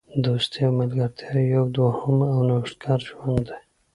دوستي او ملګرتیا یو دوهم او نوښتګر ژوند دی.